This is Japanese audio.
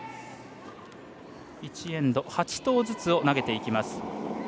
１エンド、８投ずつを投げていきます。